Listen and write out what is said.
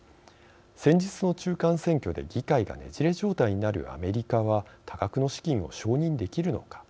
先日の中間選挙で議会が、ねじれ状態になるアメリカは多額の資金を承認できるのか。